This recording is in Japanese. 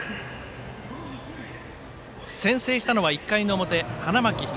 先制したのは１回の表、花巻東。